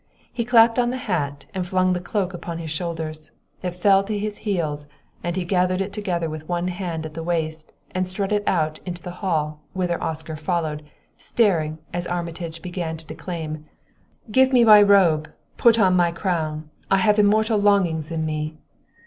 He clapped on the hat and flung the cloak upon his shoulders. It fell to his heels, and he gathered it together with one hand at the waist and strutted out into the hall, whither Oscar followed, staring, as Armitage began to declaim: "'Give me my robe; put on my crown; I have Immortal longings in me!'